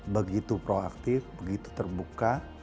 begitu proaktif begitu terbuka